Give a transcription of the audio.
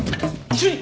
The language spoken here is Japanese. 主任。